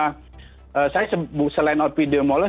karena saya selain epidemiologi